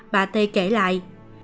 bà tê kể lại